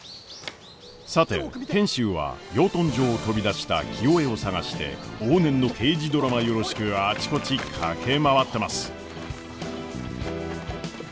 さて賢秀は養豚場を飛び出した清恵を捜して往年の刑事ドラマよろしくあちこち駆け回ってます。